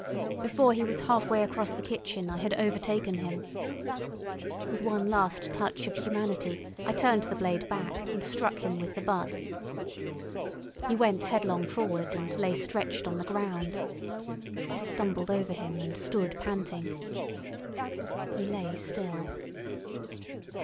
Before he was halfway across the kitchen I had overtaken him. With one last touch of humanity I turned the blade back and struck him with the butt. He went headlong forward and lay stretched on the ground. I stumbled over him and stood panting. He lay still.